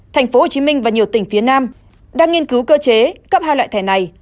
thành phố hồ chí minh và nhiều tỉnh phía nam đang nghiên cứu cơ chế cấp hai loại thẻ này